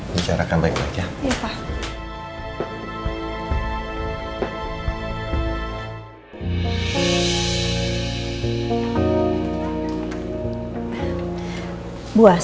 bicarakan baik baik ya